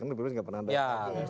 karena di prepress gak pernah ada